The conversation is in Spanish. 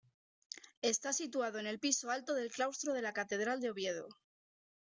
Está situado en el piso alto del claustro de la Catedral de Oviedo.